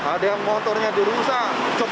ada yang motornya dirusak